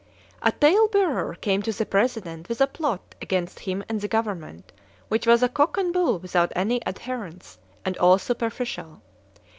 A tale bearer came to the President with a plot against him and the government, which was a cock and bull without any adherence, and all superficial.